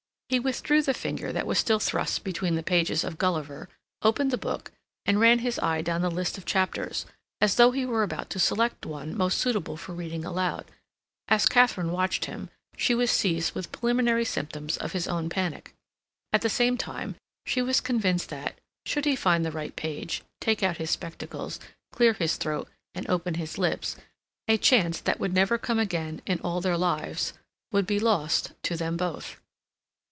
He withdrew the finger that was still thrust between the pages of Gulliver, opened the book, and ran his eye down the list of chapters, as though he were about to select the one most suitable for reading aloud. As Katharine watched him, she was seized with preliminary symptoms of his own panic. At the same time she was convinced that, should he find the right page, take out his spectacles, clear his throat, and open his lips, a chance that would never come again in all their lives would be lost to them both.